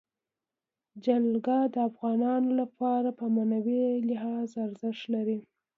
جلګه د افغانانو لپاره په معنوي لحاظ ارزښت لري.